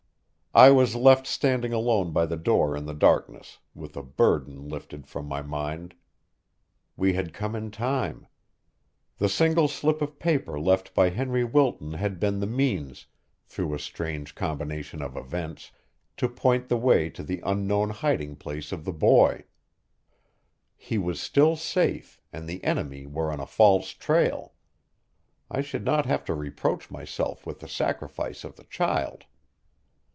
I was left standing alone by the door in the darkness, with a burden lifted from my mind. We had come in time. The single slip of paper left by Henry Wilton had been the means, through a strange combination of events, to point the way to the unknown hiding place of the boy. He was still safe, and the enemy were on a false trail. I should not have to reproach myself with the sacrifice of the child.